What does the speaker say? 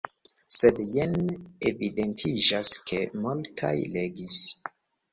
Sed jen evidentiĝas, ke multaj legis.